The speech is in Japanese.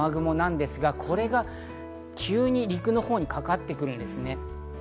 台風本体の雨雲なんですが、これが急に陸のほうにかかっていくんですね。